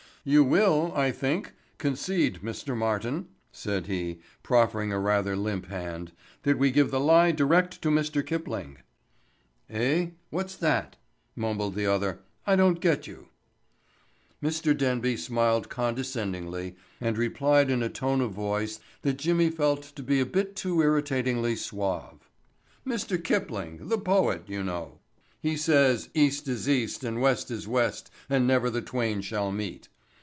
"You will, I think, concede, Mr. Martin," said he, proffering a rather limp hand, "that we give the lie direct to Mr. Kipling." "Eh? What's that?" mumbled the other. "I don't get you." Mr. Denby smiled condescendingly and replied in a tone of voice that Jimmy felt to be a bit too irritatingly suave. "Mr. Kipling—the poet—you know. He says, 'East is East and West is West, and never the twain shall meet.